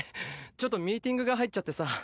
ちょっとミーティングが入っちゃってさ。